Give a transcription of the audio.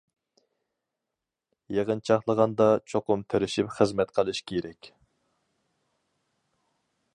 يىغىنچاقلىغاندا، چوقۇم تىرىشىپ خىزمەت قىلىش كېرەك.